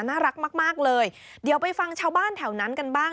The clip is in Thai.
น่ารักมากมากเลยเดี๋ยวไปฟังชาวบ้านแถวนั้นกันบ้าง